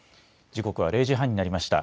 時刻は０時半になりました。